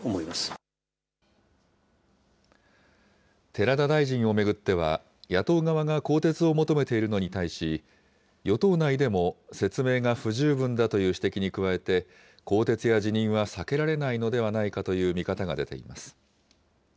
寺田大臣を巡っては、野党側が更迭を求めているのに対し、与党内でも説明が不十分だという指摘に加えて、更迭や辞任は避けられないのではないかという見方が出ています。